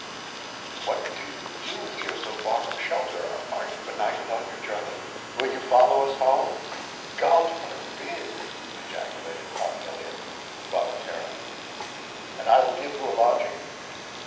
"What do you do here so far from shelter? Are you benighted on your journey? Will you follow us home ['God forbid!' ejaculated Hobbie Elliot, involuntarily), and I will give you a lodging?"